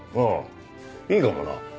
ああいいかもな。